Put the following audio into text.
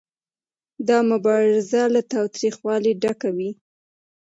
دا مبارزه له تاوتریخوالي ډکه وي